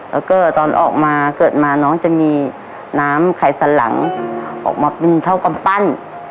แล้วก็ตอนออกมาเกิดมาน้องจะมีน้ำไขสันหลังออกมาเป็นเท่ากำปั้น